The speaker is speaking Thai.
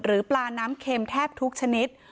ปลาน้ำเค็มแทบทุกชนิด